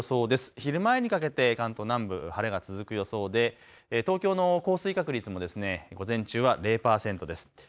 昼前にかけて関東南部、晴れが続く予想で東京の降水確率も午前中は０％です。